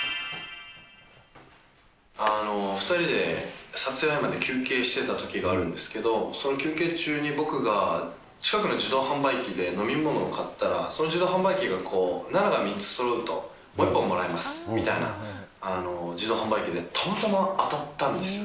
２人で撮影合間に休憩してたときがあるんですけど、その休憩中に僕が近くの自動販売機で飲み物を買ったら、その自動販売機が、７が３つそろうともう１本もらえますみたいな自動販売機で、たまたま当たったんですよ。